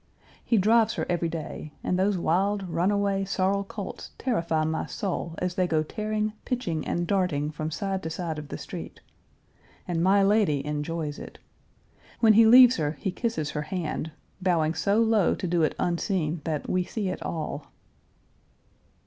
He drives her every day, and those wild, runaway, sorrel colts terrify my soul as they go tearing, pitching, and darting from side to side of the street. And my lady enjoys it. When he leaves her, he kisses her hand, bowing so low to do it unseen that we see it all.